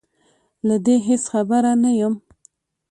له دې هېڅ خبره نه یم